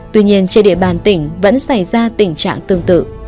tuy nhiên trên địa bàn tỉnh vẫn xảy ra tình trạng tương tự